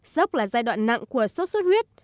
sốc là giai đoạn nặng của sốt xuất huyết